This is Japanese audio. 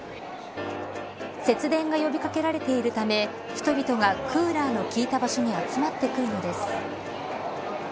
節電が呼び掛けられているため人々がクーラーの効いた場所に集まってくるのです。